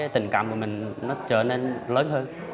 tình cảm của mình nó trở nên lớn hơn